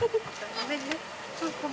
ごめんね。